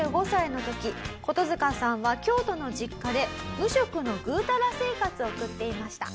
コトヅカさんは京都の実家で無職のぐーたら生活を送っていました。